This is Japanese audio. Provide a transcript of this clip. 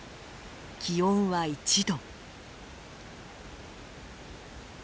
気温は１度。